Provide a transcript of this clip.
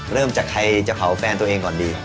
เริ่มจากใครจะเผาแฟนตัวเองก่อนดี